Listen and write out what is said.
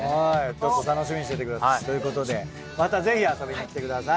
ちょっと楽しみにしててください。ということでまたぜひ遊びにきてください。